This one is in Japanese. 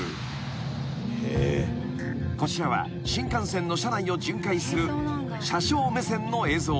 ［こちらは新幹線の車内を巡回する車掌目線の映像］